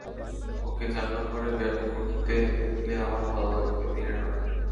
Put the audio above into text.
ওকে চার নম্বরে ব্যাট করতে দেখলে আমার ভালো লাগবে, তিনে নয়।